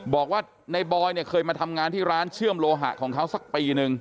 บอกว่าในบอยเนี่ยเคยมาทำงานที่ร้านเชื่อมโลหะของเขาสักปีนึง